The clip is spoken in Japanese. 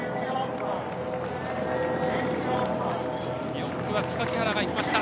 ４区は束木原が行きました。